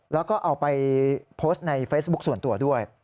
แล้วก็เอาไปโพสต์ในเฟซบุ๊คส่วนตัวด้วย